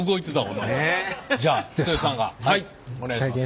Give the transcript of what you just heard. お願いします。